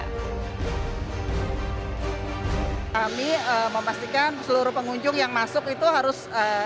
kami memastikan seluruh pengunjung yang masuk itu harus